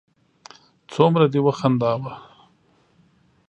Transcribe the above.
څومره دې و خنداوه